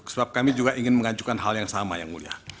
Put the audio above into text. sebab kami juga ingin mengajukan hal yang sama yang mulia